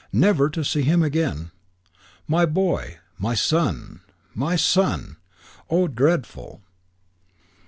Never to see him again. My boy. My son. My son!" Oh, dreadful!